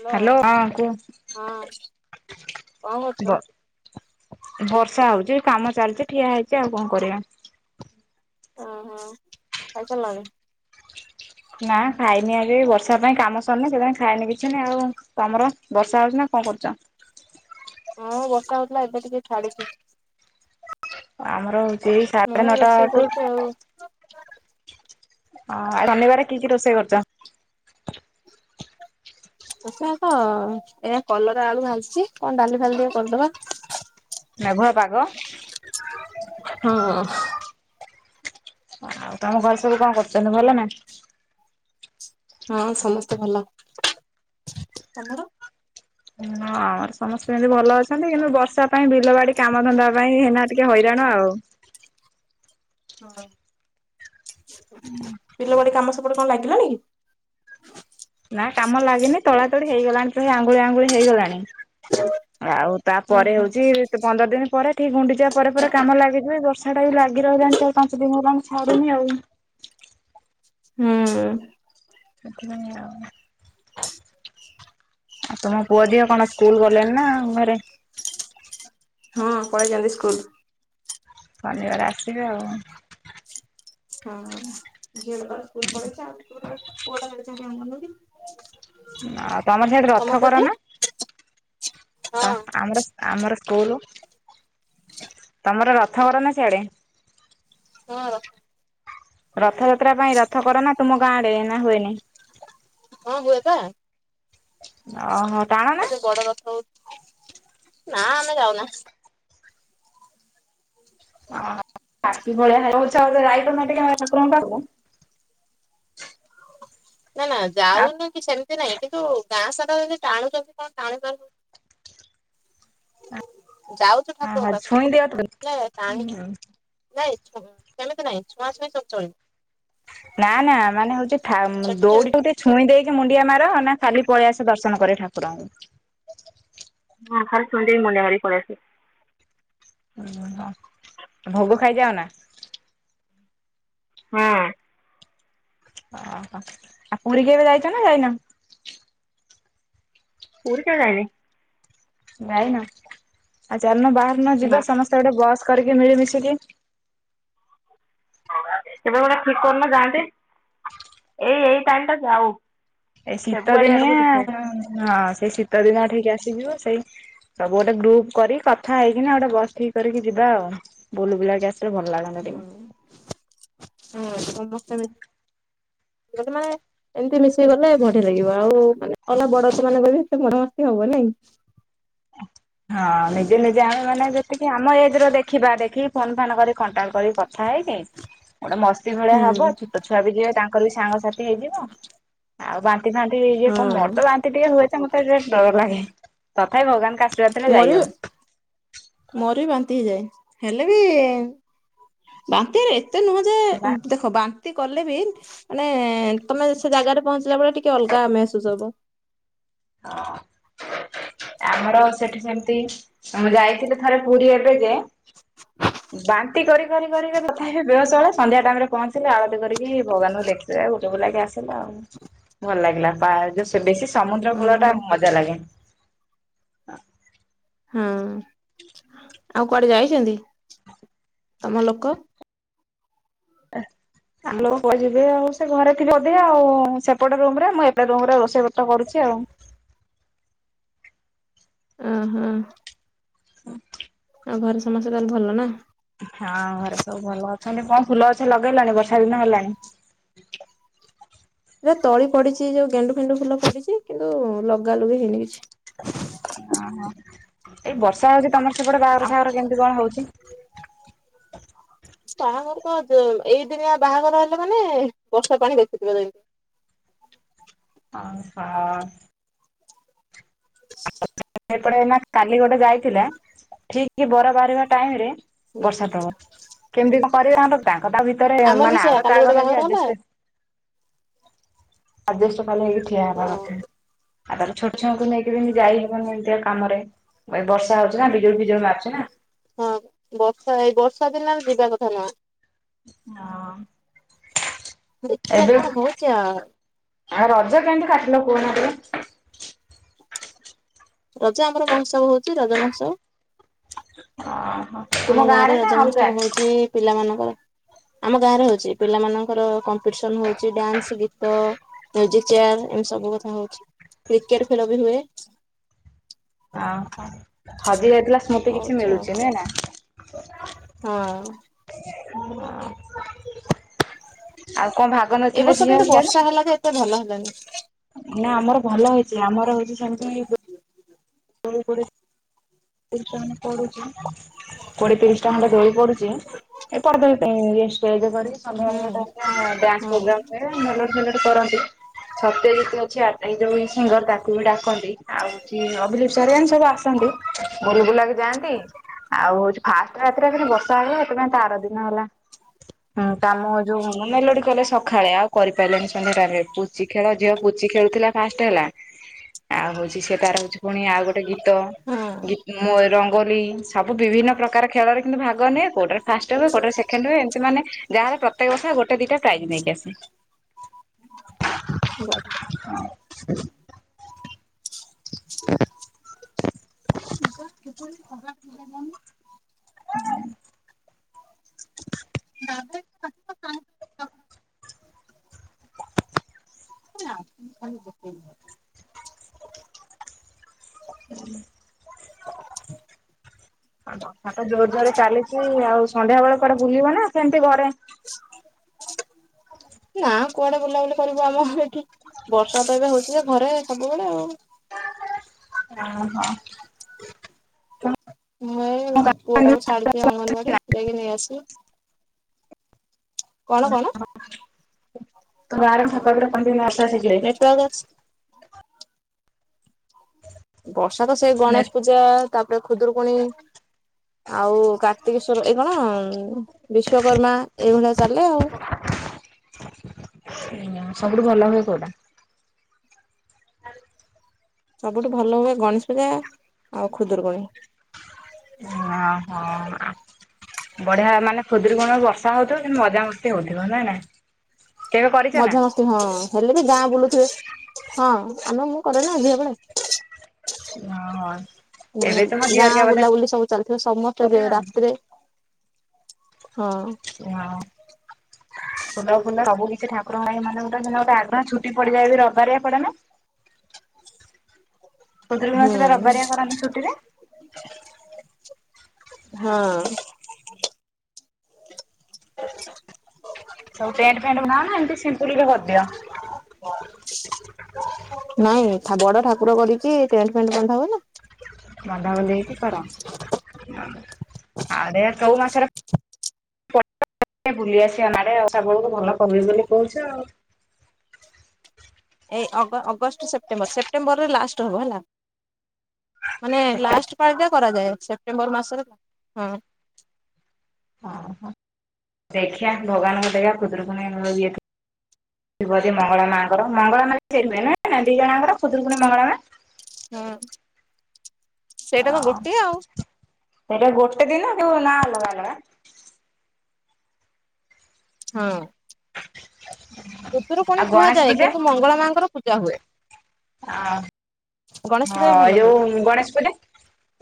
Hello hello ହ କୁହ ହଁ କଣ କରୁଛ ବ ବର୍ଷା ହଉଛି କାମ ଚାଲିଛି ଠିଆ ହେଇଛି ଆଉ କଣ କରିବା ଓ ହୋ ଖାଇ ସାରିଲଣି? ନା ଖାଇନି ଆଜି ବର୍ଷା ପାଇଁ କାମ ସରିନି ସେଥିାଇଁ ଖାଇନି କିଛି ନାହିଁ ଆଉ ତମର ବର୍ଷା ହଉଛି ନା? କଣ କରୁଚ? ହଁ ବର୍ଷା ହଉଥିଲା ଏବେ ଟିକେ ଛାଡିଚି। ଆମର ହଉଛି ଏଇ ସାଢେ ନଅଟା ରୋଷେଇ ଠୁ କରୁଛି ଆଉ। ହ ଶନିବାର କି କି ରୋଷେଇ କରିଚ? ପ ତ ଏ କଲରା ଆଳୁ ଭାଜିଚି କଣ ଡାଲି ଫାଲି ଟିକେ କରିଦବା। ମେଘୁଆ ପାାଗ ହଁ। ଆଉ ତମ ଘରେ ସବୁ କଣ୍ କରୁଚନ୍ତି ଭଲ ନା? ହଁ ସମସ୍ତେ ଭଲ, ତମର? ହ ଆମର ସମସ୍ତେ ଏମିତି ଭଲ ଅଛନ୍ତି କିନ୍ତୁ ବର୍ଷା ପାଇଁ ବିଲ ବାଡି କାମଧନ୍ଦା ପାଇଁ ଏଇନା ଟିକେ ହଇରାଣ ଆଉ ହଁ ବିଲ ବଡି କାମ ସବୁ ଗୋଟେ କଣ ଲାଗିଲାଣି? ନା କାମ ଲାଗନି ତଳା ତଳି ହେଇଗଲାଣି ପୁଣି ଆଙ୍ଗୁଳି ଆଙ୍ଗୁଳି ହେଇଗଲାଣି। ଆଉ ଉଁ ତାପରେ ହୁଁ। ହଉଛି ପନ୍ଦର ଦିନ ପରେ ଏଠିକି ଗୁଣ୍ଡିଯିବା ପରେ କାମ ଲାଗିଯିବେ ବର୍ଷା ଟା ବି ଲାଗି ରହିଲାଣି ଚାରି ପାଞ୍ଚ ଦିନ ହେଲାଣି ଛାଡୁନି ଆଉ ହୁଁ ସେଥିପାଇଁ ଆଉ ଆଉ ତମ ପୁଅ ଝିଅ କଣ ସ୍କୁଲ୍ ଗଲେଣି ନା ଘରେ? ହଁ ପଳେଇଚନ୍ତି ସ୍କୁଲ୍। ଶନିବାର ଆସିବେ ଆଉ ହଁ ଝିଅ ସ୍କୁଲ୍ ପଳେଇଛି [inaudible] ତମର ସେଇଠି ତମ ରଥ ପୁଅ କର ଝିଅ? ନା ହଁ ତ ଆମର ଆମର କଉନୁ ତମର ରଥ କର ନା ସିଆଡେ? କାର? ରଥଯାତ୍ରା ପାଇଁ ରଥ କର ନା ତୁମ ଗାଁରେ ଏନା ହୁଏନି? ହଁ ହୁଏପା। ଓହୋ ଟାଣ ନା ଏଠି ବଡ ରଥ ହଉଛି ନା ଆମେ ଯାଉନା। ପାପି ଭଳିଆ ହେଉଚ ଯାଇପାରୁନା ଟିକେ ଠାକୁର ଙ୍କ ପାଖକୁ ନା ନା ଯାଉନୁ କି ସେମିତି ନାଇଁ କିନ୍ତୁ ଗାଁ ସାର ଯଦି ଟାଣୁଛନ୍ତି କଣ ଟାଣି ପାରୁବୁ। ଯାଉଚୁ ଠାକୁରଙ୍କ ଆଉ ଛୁଇଁ ପାଖକୁ ଦିଅ ନାଇଁ ଟାଣି ନାଇଁ ସେମିତି ନାାଇଁ ଛୁଆ ଛୁଇଁ ସବୁ ଚଳିବ। ନା ନା ମାନେ ହଉଚି ଠା ସେଠି ସେମିତି ଦୌଡିଟା ଟେ ଛୁଇଁ ଦେଇକି ମୁଣ୍ଡିଆ ମାର ନା ଖାଲି ପଳେଇ ଆସ ଦର୍ଶନ କରି ଠାକୁରଙ୍କୁ? ହଁ ଖାଲି ଛୁଇଁ ଦେଇ ମୁଣ୍ଡିଆ ମାରି ପଳେଇଆସେ। ଓ ହୋ ଭୋଗ ଖାଇ ଯାଓ ନା? ହୁଁ। ଓହୋ ଆଉ ପୁରୀ କେବେ ଯାଇଛ ନା ଯାଇନ? ପୁରୀ କେବେ ଯାଇନି। ଯାଇନ, ଆଉ ଚାଲୁନ ବାହାରୁନ ନା ଯିବା ସମସ୍ତେ ଗୋଟେ ବସ୍ କରିକି ମିଳି ମିିଶିକି। କେବେ ଗୋଟେ ଠିକ କରୁନ ଯାଆନ୍ତେ, ଏଇ ଏଇ ଟାଇମଟା ଯାଉ। ଏ ଶୀତ ଫେବୃଆରୀ ଦିନିଆ ଆଡକୁ ଦେଖିବା। ହଁ ସେଇ ଶୀତ ହୁଁ ଦିନିଆ ଠିକି ଆସିଯିବ ସବୁ ଗୋଟେ ଗ୍ରୁପ କରି କଥା ହେଇକିନା ଗୋଟେ ବସ୍ ଠିକ କରିକି ଯିବା ଆଉ ବୁଲ ବୁଲା କି ଆସ ହୁଁ ହଁ ସମସ୍ତେ ଗଲେ ମାନେ ଏମିତି ମିଶିକି ଗଲେ ବଢିଆ ଲାଗିବ, ଆଉ ମାନେ ଅଲ ବଡ [unintelligible] ଗଲେ ଏତେ ମଜା ମସ୍ତି ହବ ନାଇ। [inaudible] ହଁ ନିଜେ ନିଜେ ଆମେ ମାନେ ଯେ ତିକି ଆମ ଏଜ୍ ର ଦେଖିବା ଦେଖିକି ଫୋନ ଫାନ୍ କରି କଣ୍ଟାକ୍ଟ କରି କଥା ହେଇକି ଗୋଟେ ମସ୍ତି ଭଳିଆ ହୁଁ ହବ ଛୋଟ ଛୁଆ ବି ଯିବେ ତାଙ୍କର ବି ସାଙ୍ଗସାଥି ହେଇଯିବ, ଆଉ ବା ନ୍ତି ଫାନ୍ତି ଯୋଉ କ ମୋର ତ ହଁ ବାନ୍ତି ଟିକେ ହୁଏ ଯେ ମତେ ଟିକେ ଡର ଲାଗେ, ତଥାପି ଭଗବାନ ମୋର ବି ମୋର ବି ବା ନ୍ତି ହେଇଯାଏ ହେଲେ ବି ବାନ୍ତିରେ ଏତେ ନୁହଁ ଯେ ନା ଦେଖ ବା ନ୍ତି କଲେ ବି ମାନେ ତମେ ସେ ଜାଗାରେ ପହଞ୍ଚିଲା ବେଳେ ଟିକେ ଅଲଗା ମେହେସୁସ ହବ। ହ ଅଁ। ଆମର ସେଠି ସେମିତି, ଆମେ ଯାଇଥିଲୁ ଥରେ ପୁରୀ ଏବେ ଯେ ବାନ୍ତି କରି କରି କରି ତଥାପି ସେ ବେହୋସ ହେଲା ସନ୍ଧ୍ୟା ଟାଇମରେ ପହଞ୍ଚିଲେ ଆଳତୀ କରି କି ଭଗବାନଙ୍କୁ ଦେଖି ଦେଲା ବେଳକୁ [unintelligible] ଆଜ୍ଞା ଆସିଲା ଆଉ ଭଲ ଲାଗିଲା ପା ଯୋଉ ସେ ବେଶୀ ସମୁଦ୍ର କୂଳଟା ହୁଁ ମଜା ଲାଗେ। ହ। ହଁ, ଆଉ କୁଆଡେ ଯାଇଛନ୍ତି ତମ ଲୋକ? ଆ ଆଲୋକ କହି ଯିବେ ଆଉ ସେ ଘରେ ଥିବେ ଅଧ ଆଉ ସେପଟେ ରୁମରେ ମୁଁ ଏପଟେ ରୁମରେ ରୋଷେଇ ପତ୍ର କରୁଚି। [inaudible] ଉଁ ହୁଁ। ହୁଁ। ଆଉ ଘରେ ସମସ୍ତେ ତାହେଲେ ଭଲ ନା? ହଁ ଘରେ ସବୁ ଭଲ। ତମେ କଁ ଫୁଲ ଗଛ ଲଗେଇଲଣି ବର୍ଷା ଦିନ ହେଲାଣି? ଏ ତଳି ପଡିଛି ଯୋଉ ଗେଣ୍ଡୁ ଫେଣ୍ଡୁ ଫୁଲ ଫୁଟିଛି, କିନ୍ତୁ ଲଗା ଲଗି ହେଇନି କିଛି। ଓହୋ। ଏଇ ବର୍ଷା ହଉଛି ତମର ସେପଟେ ବାହାଘର ଫାଘର କେମିତି କଣ ହଉଛି? ହଁ ଏଇ ଦିନିଆ ବାହାଘର ହେଲେ ମାନେ ବର୍ଷା ପାଣି ବେଶିଥିବ [unintelligible] ଅ ହ। ସେପଟେ ଏଇନା କାଲି ଗୋଟେ ଯାଇଥିଲା ଠିକ ବର ବାହାରିବା ଟାଇମ ରେ ଯେମିତି। ବର୍ଷା ଟପ କେମିତି କଁ କରିବେ [unintelligible] ଛତା ଭିତରେ ଆମର ମାନେ ବି ଆ ସେଇଆ ଘର କାଲି ଗୋଟେ ତାଘର ଏମତି ବାହାଘର ହେଲା ଆଡଜେଷ୍ଟ ଆଡଜଷ୍ଟ ପାଲେ ହେଇକି ଠିଆ ହବା ହଁ କଥା ଆଉ ତାର ଛୋଟ ଛୁଆଙ୍କୁ ନେଇ କିରି ଯାଇହବନି ଏମିତିଆ କାମରେ, ଏ ବର୍ଷା ହଉଛି ନା ବିଜୁଳି ଫିଜୁଳି ମାରୁଛି ନା ହଁ ବର୍ଷା ଏଇ ବର୍ଷା ଦିନରେ ଯିବା କଥା ନୁହଁ। ହଁ। ଦେଖିବା କଣ ହଉଚି ଆଉ। ଆଉ ରଜ କେମତି କାଟିଲ କହୁନ ଟିକେ? ରଜ ଆମର ମହୋତ୍ସବ ହଉଛି, ରଜ ମହୋତ୍ସବ। ଅଁ। ଆମ ଗାଁରେ ରଜ ମହୋତ୍ସବ ହଉଛି ପିଲା ମାନଙ୍କର। ଆମ ଗାଁରେ ହଉଚି, ପିଲା ମାନଙ୍କର କମ୍ପିଡିସନ ହଉଚି ଡ୍ୟାନ୍ସ, ଗୀତ ମ୍ୟୁଜିକ ଚେୟାର ଏମତି ସବୁ କଥା ହଉଚି କ୍ରିକେଟ ଖେଳ ବି ହୁଏ। ଓ ହୋ ହଜି ଯାଇଥିଲା, ସ୍ମୃତି କିଛି ହଉଛି ଆଉ ମିଳୁଛି ନୁହେଁ ନା। ହଁ। ହୁଁ ଆଉ କଣ ଭାଗ ଏ ନେଇଥିଲେ ବର୍ଷ ଝିଅ? କିନ୍ତୁ ବର୍ଷା ହେଲା ଯେ ଏତେ ଭଲ [unintelligible] ହେଲାନି ନା ଆମର ଭଲ ହେଇଛି, ଆମର ହଉଛି ସେମିତି [unintelligible] [unintelligible] ପଡୁଚି। କୋଡିଏ ତିରିଶ ଟଙ୍କା ଖଣ୍ଡେ ବଳି ପଡୁଛି, ଏ ପର୍ବ ପାଇଁ ଷ୍ଟେଜ କରି ସନ୍ଧ୍ୟା ହୁଁ ତା [unintelligible] ଡ୍ୟାନ୍ସ ହଁ ପ୍ରୋଗ୍ରାମ ହୁଏ, ମେଲୋଡ଼ି ଫେଲୋଡ଼ି କରନ୍ତି। ସତ୍ୟଜିତ ଅଛି ଆ ଏ ଯୋଉ ସିଙ୍ଗର ତାକୁ ବି ଡାକନ୍ତି, ଆଉ ହଉଚି ଅଭିଲିପ୍ସା ହେରିକା ଏନ୍ତି ସବୁ ଆସନ୍ତି। ବୋଲିବୁଲା କି ଯାଆନ୍ତି, ଆଉ ହଉଛି ଫାଷ୍ଟ ରାତିରେ [unintelligible] ବର୍ଷା ହେଇଗଲା। ସେଥିପାଇଁ ତା ଆର ଦିନ ହେଲା। ହୁଁ କାମ ଯୋଉ ହଁ ମେଲୋଡି କଲେ ସକାଳେ, ଆଉ କରିପାରିଲେନି ସେନ୍ [unintelligible] ପୁଚି ଖେଳ ଝିଅ ପୁ ପୂଚି ଖେଳୁଥିଲା ଫାଷ୍ଟ୍ ହେଲା। ଆଉ ହଉଚି ସେ ତାର ହଉଚି ପୁଣି ଆଉ ଗୋଟେ ଗୀତ ହଁ ବି ରଙ୍ଗୋଲି ସବୁ ବିଭିନ୍ନ ପ୍ରକାର, ଖେଳରେ କିନ୍ତୁ ଭାଗ ନିଏ କୋଉଟା ଫାଷ୍ଟ ହୁଏ, କୋଉ ଦିନ ସେକେଣ୍ଡ ହୁଏ, ଏମତି ମାନେ ଗାଁର ପ୍ରତ୍ୟେକ ବର୍ଷ ଗୋ ଗୋଟେ, ଦିଟା ପ୍ରାଇଜ୍ ନେଇକି ଆସେ। ହ [unintelligible] [unintelligible] ହଁ [unintelligible] [unintelligible] [unintelligible] ଆଉ ବର୍ଷା ତ ଜୋର ଜୋରରେ ଚାଲିଛି, ଆଉ ସନ୍ଧ୍ୟାବେଳେ କୁଆଡେ ବୁଲିବ ନା ସେମତି ଘରେ? ନା କୁଆଡେ ବୁଲାବୁଲି କରିବୁ ଆମର ଏଠି। ବର୍ଷା ତ ଏବେ ହଉଛି ଯେ, ଘରେ ସବୁବେଳେ ଆଉ। ଓ ହୋ। ମୁଁ ଏଇ ପୁଅଟାକୁ ଛାଡିଛି ଅଙ୍ଗନବାଡି, ଯାଇକି ନେଇ ଆସିବି। କଣ କଣ? ତମ ଗାଁ [unintelligible] ଭାଷା ଶିଖିଲାଇ। ନେଟୱାର୍କ ଅଛି ଓଷା ତ ସେ ନେ ଗଣେଶ ପୂଜା, ତାପରେ ଖୁଦୁରୁକୁଣୀ ଆଉ କାର୍ତ୍ତିକେଶ୍ଵର, ଏଇ କଣ ବିଶ୍ଵକର୍ମା ଏଇ ଭଳିଆ ଚାଲେ ଆଉ। ସବୁଠୁ ଭଲ ହୁଏ କୋଉଟା? ହାଲୋ, ସବୁଠୁ ଭଲ ହୁଏ, ଗଣେଶ ପୂଜା ଆଉ ଖୁଦୁରକୁଣୀ। ହଁ - ହଁ। ବଢିଆ ମାନେ ଖୁଦୁରୁକୁଣିରେ ବର୍ଷା ହଉଥିବ, କିନ୍ତୁ ମଜାମସ୍ତି ହଉଥିବ ନା ନାଇ। ମଜାମସ୍ତି ହଁ ହେଲେ ବି ଗାଁ ବୁଲୁଥିବେ, ହଁ -ଆ -ମୁଁ କରେ ନା ଝିଅ ବେଳେ? ହଁ- ହଁ। ହୁଁ ଏବେ ତମ ଝିଅ ହେରିକା ଗାଁ ବୋଧେ ବୁଲାବୁଲି ସବୁ ଚାଲିିଥିବ, ସମସ୍ତେ ଯେ କଲେ ଆଉ ରାତିରେ ହଁ ଖୋଲା କୁ ଖୋଲା ସବୁ କିଛି ଠାକୁ ରଙ୍କ ପାଇଁ ମାନେ ଗୋଟେ, ମାନେ ଗୋଟେ ଆଡଭାନ୍ସ ଛୁଟି ପଡିଯାଏ, ରବି ବାରିଆ ପଡେ ନା? ଖୁଦୁରୁକୁଣୀ ହୁଁ ଓଷାଟା ରବିବାରିଆ କରନ୍ତି ଛୁଟିରେ? ହଁ। ସବୁ ଟେଣ୍ଡ ଫେଣ୍ଡ ବାନଅ, ନା ଏମିତି ସିମ୍ପଲରେ କରିଦିଅ? ହଁ, ନାଇଁ ଠା ବଡ ଠାକୁର କରିକି ଟେଣ୍ଟ ଫେଣ୍ଟ ବନ୍ଧା ହୁଏନା। ବନ୍ଧାବନ୍ଧି ହେଇକି କର? ଆଡେ କୋଉ ମାସରେ [unintelligible] ବୁଲିଆସିଆ ମାଡେ ଆଉ ଶ୍ରାବଣକୁ ଭଲ [unintelligible] ବୋଲି କହୁଛ ଆଉ। ଏ ଅଗ-ଅଗଷ୍ଟ ସେପ୍ଟେମ୍ବର, ସେପ୍ଟେମ୍ବରରେ ଲାଷ୍ଟ ହବ ହେଲା। ମାନେ ଲାଷ୍ଟ ପାଳିଟା କରାଯାଏ, ସେପ୍ଟେମ୍ବର ମାସରେ ହଁ। ଓହୋ। ଦେଖିଆ ଭଗବାନଙ୍କ ଦୟା ଖୁଦରୁକୁଣୀ ବେଳ ଇଏକୁ ଥିବ ଯଦି ମଙ୍ଗଳା ମାଆଙ୍କର ମଙ୍ଗଳା ମାନେ ସେ ରୁହେ ନା ନା ଦିଜଣାଙ୍କର ଖୁଦୁରୁକୁଣୀ, ମଙ୍ଗଳାମା? ହଁ। ସେଇଟା ତ ଗୋଟେ ଆଉ ସେଇଟା ଗୋଟେ ଦିନ ଯୋଉ ନାଁ ଅଲଗା ଅଲଗା। ହଁ। ଖୁଦୁରୁକୁଣି ଆଉ ଗଣେଶ କୁହାଯାଏ କିନ୍ତୁ ମଙ୍ଗଳ ମାଆଙ୍କର ପୂଜା ହୁଏ। ଆ ଗଣେଶ ପୂଜା ବି ହଁ ଏ ଭଲ ହୁଏ ଯୋଉ ଗଣେଶ ପୂଜା,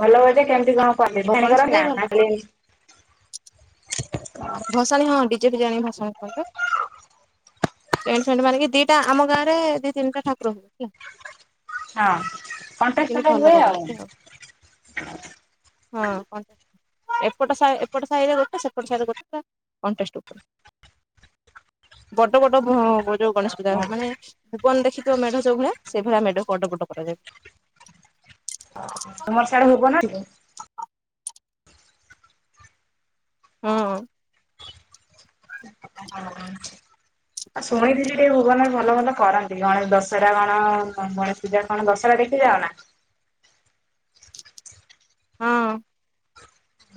ଭଲ ହୁଏ ଯେ କେମତି କଣ ଗଣେଶ ପୂଜା ବି ଭଲ ହୁଏ। [inaudible] ଭସାଣି ହଁ ଡିଜେ ଫିଜେ ଆଣିକି ଭସାଣି କରନ୍ତି। ଟେଣ୍ଟ ଫେଣ୍ଟ୍ ମାରିକି ଦିଟା ଆମ ଗାଁରେ ଦି ତିନିଟା ଠାକୁର ହବ ହେଲା। ହଁ କିନ୍ତୁ କଣ୍ଟେଷ୍ଟେଡ ଭଲ ହୁଏ ଆଉ। କରନ୍ତି ହଁ କ ଏପଟ ସାହି ଏପଟ ସାହିରେ ଗୋଟେ ସେପଟ ସାହିରେ ଗୋଟେ କଣ୍ଟେଷ୍ଟ ଉପରେ ବଡ ବଡ ଭମ୍ ମୋ ଯୋଉ ଗଣେଶ ପୂଜା ହବ ମାନେ ଭୁବନ ଦେଖିଥିବ ମେଢ ଯୋଉ ଭଳିଆ ସେଇଭଳିଆ ମେଢକୁ ବଡ ବଡ କରାଯାଏ। ତୁମର ସିଆଡେ ଭୁବନ ହେଲେ ହୁଁ। ହଁ ହଁ। ଆଉ ଶୁଣିଥିଲି ଟିକେ ଭୁବନରେ ଭଲ ଭଲ କରନ୍ତି। ଗଣେଶ ଦଶରା କଣ, ଗଣେଶ ପୂଜା କଣ, ଦଶରା ଟିକେ ସେଠି ଯାଅନା? [inaudible] ହଁ।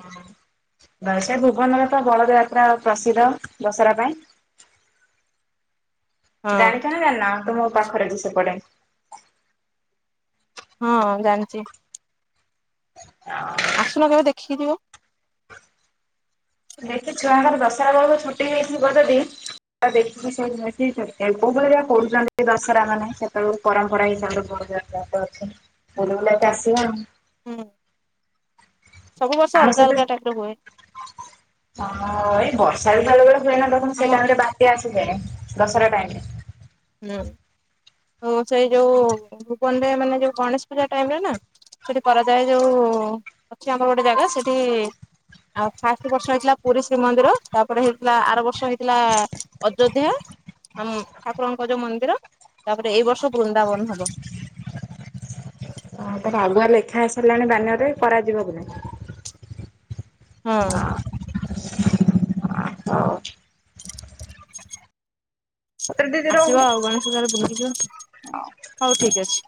ହଁ। ବା ସେ ଭୁବନରେ ତ ବଳଦ ଯାତ୍ରା ପ୍ରସିଦ୍ଧ, ଦଶରା ପାଇଁ। ହଁ ଜାଣିଛ ନା ଜାଣିନ? ତ ମୋ ପାଖରେ ବି ସେପଟେ। ହଁ ହଁ ଜାଣିଚି। ଆ [unintelligible] ଦେଖି ଛୁଆଙ୍କର ଦଶହରା ବେଳକୁ ଛୁଟି ହେଇଥିବ ଯଦି ଦେଖିକି ସେ ଜିନଷ କୋଉ ଭଳିଆ କରୁଛନ୍ତି ଦଶହରା ମାନେ ସେତେବେଳୁକୁ ପରମ୍ପରା ହିସାବରେ କରୁ ବୁଲି ବୁଲାକି ଆସିବ ଆଉ। ହୁଁ। ସବୁ ବର୍ଷ ଆମ ଅଲଗା ସହିତ ଅଲଗା ଟାଇପର ହୁଏ। ସାଢେ ଖାଇଲା ବେଳେ ହୁଏ ନା ସେ ଆମ ଟାଇମରେ ବାତ୍ୟା ଆସିଯାଏ ଦଶରା ଟାଇମରେ ହୁଁ ହଉ ସେଇ ଯୋଉ [unintelligible] ମାନେ ଯୋଉ ଗଣେଶ ପୂଜା ଟାଇମରେ ନା, ସେଠି କରାଯାଏ ଯୋଉ ଅଛି ଆମର ଗୋଟେ ଜାଗା ସେଠି ଠି ଆଉ ଫାଷ୍ଟ ବର୍ଷ ହେଇଥିଲା ପୁରୀ ଶ୍ରୀମନ୍ଦିର, ତାପରେ ହେଇଥିଲା ଆର ବର୍ଷ ହେଇଥିଲା ଅଯୋଧ୍ୟା ଆମ ଆପ୍ ଠାକୁରଙ୍କ ଯୋଉ ମନ୍ଦିର, ତାପରେ ଏଇ ବର୍ଷ ବୃନ୍ଦାବନ ହବ। ହଁ ତାରେ ଆଗୁଆ ଲେଖା ହେଇସାରିଲାଣି ବ୍ୟାନିଅରରେ କରାଯିବ କି ନାଇଁ? ହଁ। ପତ୍ର ଦିଦି ଆସିବ ରହୁଛି ଆଉ ଗଣେଶ ପୂଜାରେ ବୁଲିକି ଯିବ। ହଉ ଠିକ ଅଛି।